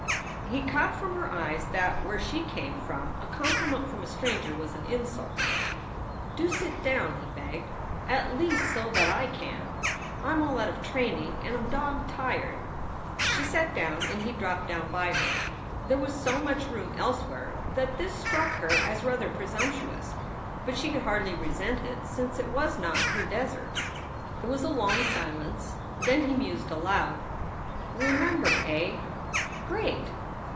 He caught from her eyes that where she came from a com pliment from a stranger was an insult. "Do sit down," he begged, "at least so that I can. I m all out of training and I m dog tired." She sat down, and he dropped down by her. There was so much room elsewhere that this struck her as rather pre sumptuous, but she could hardly resent it since it was not her desert. There was a long silence. Then he mused aloud : "Remember, eh? Great!